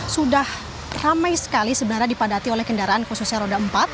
sudah ramai sekali sebenarnya dipadati oleh kendaraan khususnya roda empat